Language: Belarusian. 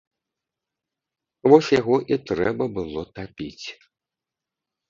Вось яго і трэба было тапіць.